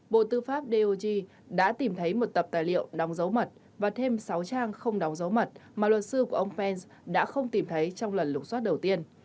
bộ tư pháp dog đã tìm thấy một tập tài liệu đóng dấu mật và thêm sáu trang không đóng dấu mật mà luật sư của ông pence đã không tìm thấy trong lần lục xoát đầu tiên